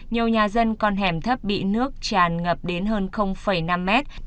nhiều nhà dân con hẻm thấp bị nước tràn ngập đến hơn năm mét